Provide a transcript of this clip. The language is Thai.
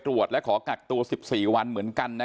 แต่แอดก็เข้าใจนะ